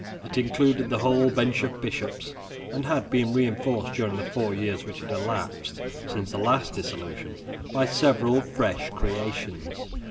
It included the whole bench of Bishops, and had been reinforced during the four years which had elapsed since the last dissolution, by several fresh creations.